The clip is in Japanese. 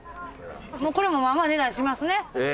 もうこれもまあまあ値段しますね。